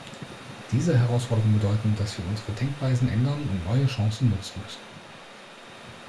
Diese Herausforderungen bedeuten, dass wir unsere Denkweisen ändern und neue Chancen nutzen müssen.